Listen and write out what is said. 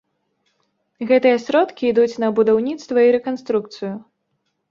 Гэтыя сродкі ідуць на будаўніцтва і рэканструкцыю.